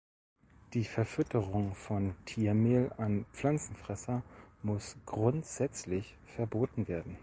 Die Verfütterung von Tiermehl an Pflanzenfresser muss grundsätzlich verboten werden.